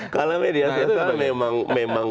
kalau media sosial memang